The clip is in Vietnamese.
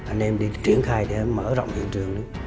anh em đi triển khai để mở rộng hiện trường